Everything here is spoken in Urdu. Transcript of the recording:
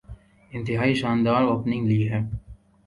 انتہائی شاندار اوپننگ لی ہے۔